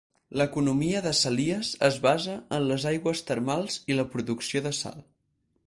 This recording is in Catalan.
L'economia de Salias es basa en les aigües termals i la producció de sal.